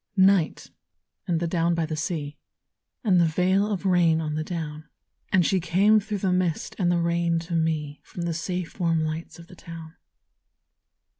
NIGHT, and the down by the sea, And the veil of rain on the down; And she came through the mist and the rain to me From the safe warm lights of the town.